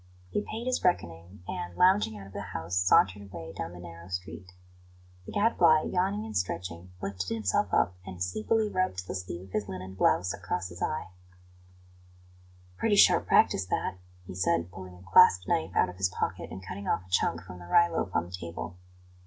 He paid his reckoning, and, lounging out of the house, sauntered away down the narrow street. The Gadfly, yawning and stretching, lifted himself up and sleepily rubbed the sleeve of his linen blouse across his eyes. "Pretty sharp practice that," he said, pulling a clasp knife out of his pocket and cutting off a chunk from the rye loaf on the table.